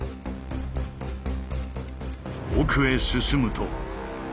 奥へ進むと。